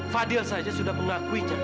fadil saja sudah mengakuinya